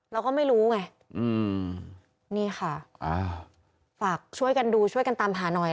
แล้วก็ไม่รู้ไงนี่ค่ะฝากช่วยกันดูช่วยกันตามหาหน่อย